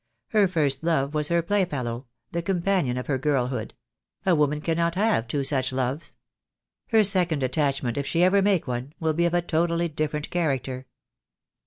Her first love was her playfellow, the companion of her girlhood. A woman cannot have two such loves. Her second attach ment, if she ever make one, will be of a totally different character."